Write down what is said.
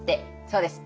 そうです。